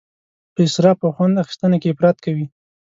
په اسراف او خوند اخیستنه کې افراط کوي.